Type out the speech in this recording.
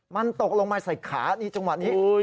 มันตกลงมาใส่ขาจังหวัดนี้